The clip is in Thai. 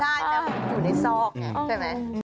ใช่แต่อยู่ในซอก